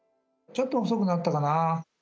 ちょっと細くなったかな。